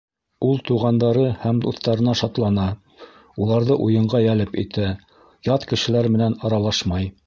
Ул туғандары һәм дуҫтарына шатлана, уларҙы уйынға йәлеп итә, ят кешеләр менән аралашмай.